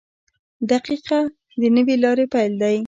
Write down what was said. • دقیقه د نوې لارې پیل دی.